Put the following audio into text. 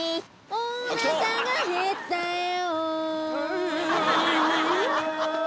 お腹がへったよ